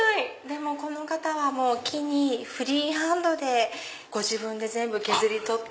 この方は木にフリーハンドでご自分で全部削り取って。